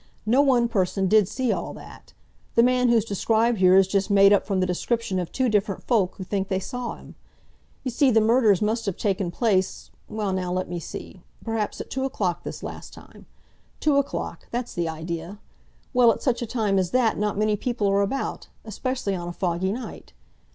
"No one person did see all that. The man who's described here is just made up from the description of two different folk who think they saw him. You see, the murders must have taken place—well, now, let me see—perhaps at two o'clock this last time. Two o'clock—that's the idea. Well, at such a time as that not many people are about, especially on a foggy night.